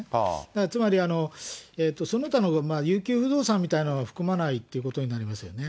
だからつまりその他の遊休不動産みたいなものを含まないということになりますよね。